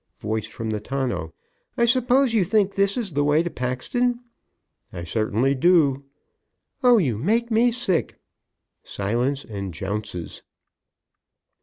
(Voice from the tonneau): "I suppose you think this is the way to Paxton?" "I certainly do." "Oh, you make me sick!" Silence and jounces.